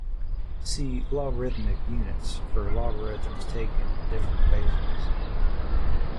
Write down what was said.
See logarithmic units for logarithms taken in different bases.